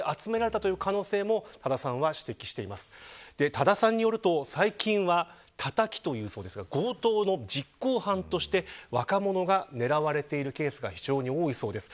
多田さんによると、最近はタタキというそうですが強盗の実行犯として若者が狙われているケースが非常に多いそうです。